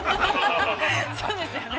◆そうですよね。